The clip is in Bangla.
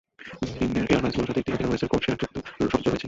নিম্নের এয়ারলাইন্স গুলোর সাথে ইতিহাদ এয়ারওয়েজ এর কোড শেয়ার চুক্তি রয়েছে।